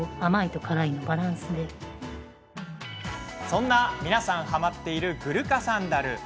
そんな、皆さんはまっているグルカサンダル。